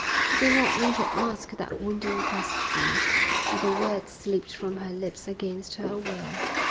She did not want to ask that wounding question, but the words slipped from her lips against her will.